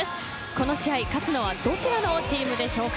この試合、勝つのはどちらのチームでしょうか。